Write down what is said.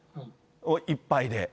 いっぱいで。